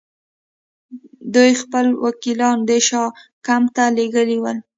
دوی خپل وکیلان د شاه کمپ ته لېږلي ول.